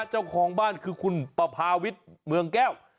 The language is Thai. เจ้าของบ้านคือคุณประพาวิทย์เมืองแก้ว